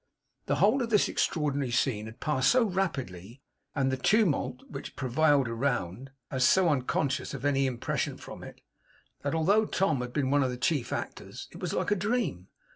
The whole of this extraordinary scene had passed so rapidly and the tumult which prevailed around as so unconscious of any impression from it, that, although Tom had been one of the chief actors, it was like a dream.